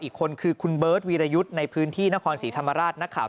อีกคนคือคุณเบิร์ตวีรยุทธ์ในพื้นที่นครศรีธรรมราชนักข่าว